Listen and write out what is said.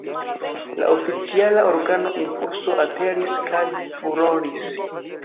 La oficiala organo "Impulso" aperis kaj "furoris".